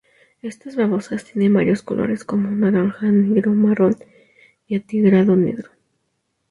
Estas babosas tienen varios colores como: naranja, negro, marrón y atigrado negro.